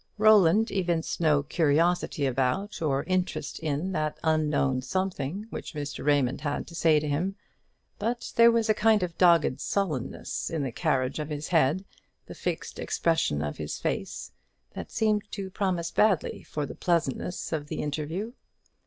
Roland evinced no curiosity about, or interest in, that unknown something which Mr. Raymond had to say to him; but there was a kind of dogged sullenness in the carriage of his head, the fixed expression of his face, that seemed to promise badly for the pleasantness of the interview.